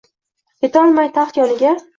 Kelolmay taxt yoniga